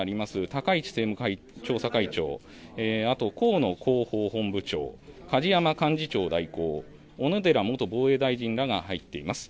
高市政務調査会長、あと河野広報本部長、梶山幹事長代行、小野寺元防衛大臣らが入っています。